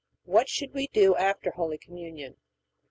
What should we do after Holy Communion?